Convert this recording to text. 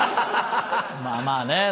まあまあね。